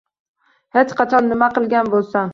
Hech qachon nima qilgan bo'lsam.